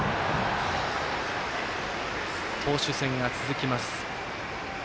投手戦が続きます。